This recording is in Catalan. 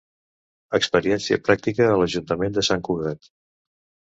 Experiència pràctica a l'Ajuntament de Sant Cugat.